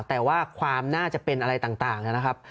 แต่ว่าความน่าจะเป็นอะไรต่างนะครับ